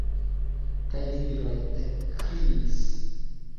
Kaj viroj ekkriis.